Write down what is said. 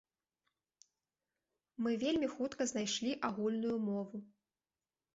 Мы вельмі хутка знайшлі агульную мову.